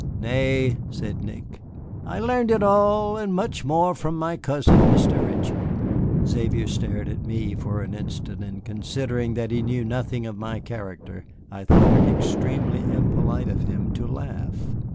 "Nay," said Nick, "I learned it all and much more from my cousin, Mr. Ritchie." Xavier stared at me for an instant, and considering that he knew nothing of my character, I thought it extremely impolite of him to laugh.